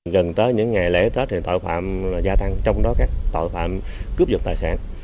gần tới những ngày lễ tết thì tội phạm gia tăng trong đó các tội phạm cướp giật tài sản